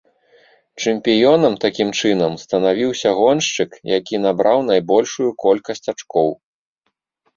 Чэмпіёнам, такім чынам, станавіўся гоншчык, які набраў найбольшую колькасць ачкоў.